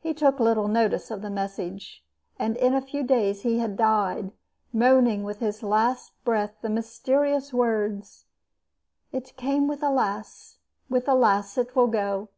He took little notice of the message; and in a few days he had died, moaning with his last breath the mysterious words: "It came with a lass with a lass it will go!"